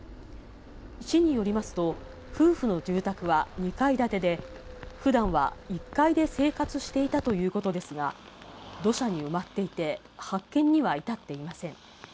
市によりますと、夫婦の住宅は２階建てで、ふだんは１階で生活していたということですが、土砂に埋まっていて、発見には至っていません。